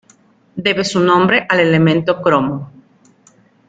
Debe su nombre al elemento cromo.